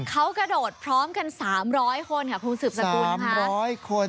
เขากระโดดพร้อมกัน๓๐๐คนค่ะพรุ่งสืบสกุล